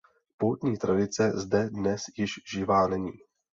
Poutní tradice zde dnes již živá není.